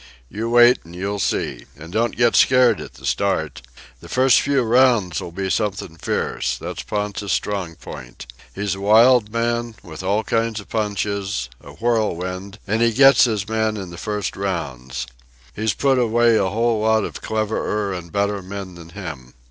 "You wait, and you'll see. An' don't get scared at the start. The first few rounds'll be something fierce. That's Ponta's strong point. He's a wild man, with an kinds of punches, a whirlwind, and he gets his man in the first rounds. He's put away a whole lot of cleverer and better men than him.